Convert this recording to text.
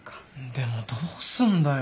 でもどうすんだよ。